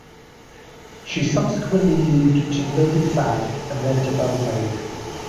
She subsequently moved to Novi Sad and then to Belgrade.